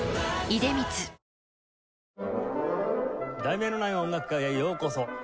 『題名のない音楽会』へようこそ。